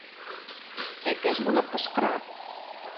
Әтәч булып кычкыра.